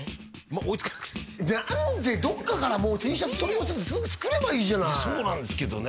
追いつかなくて何でどっかからＴシャツ取り寄せてすぐ作ればいいじゃないそうなんですけどね